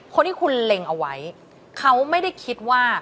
คนที่คุณเล็งเอาไว้เขาไม่ได้คิดว่า